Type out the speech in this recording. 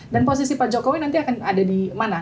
dan posisi pak jokowi nanti akan ada di mana